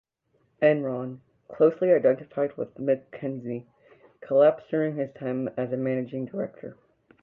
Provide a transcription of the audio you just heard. Enron, closely identified with McKinsey, collapsed during his time as managing director.